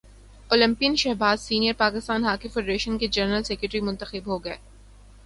Olympian Shahbaz senior Pakistan hockey federation کے general secretary منتخب ہو گئے